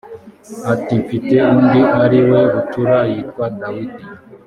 ati mfite undi ari we bucura yitwa dawidi